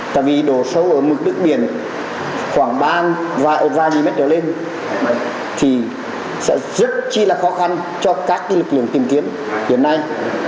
tại vì độ sâu ở mức đức biển khoảng ba bốn m lên thì sẽ rất là khó khăn cho các lực lượng tìm kiếm hiện nay